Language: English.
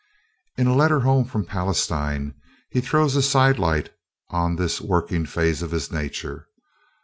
In a letter home, from Palestine, he throws a sidelight on this working phase of his nature.